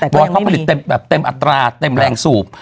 บอกเขาผลิตเต็มอัตราเต็มแรงสูบ